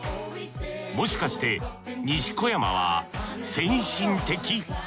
もしかして西小山は先進的？